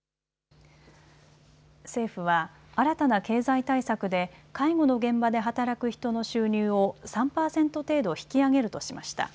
政府は新たな経済対策で介護の現場で働く人の収入を３％程度引き上げるとしました。